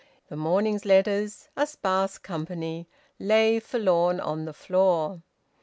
The morning's letters a sparse company lay forlorn on the floor.